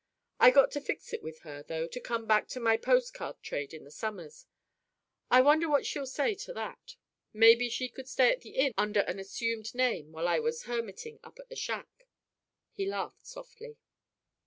I got to fix it with her, though, to come back to my post card trade in the summers. I wonder what she'll say to that. Maybe she could stay at the inn under an assumed name while I was hermiting up at the shack." He laughed softly.